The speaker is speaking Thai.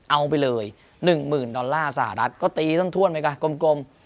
เอาไปเลย๑หมื่นดอลลาร์สหรัฐก็ตีทั้งท่วนไหมคะกลม